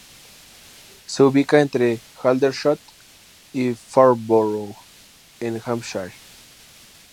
Se ubica entre Aldershot y Farnborough en Hampshire.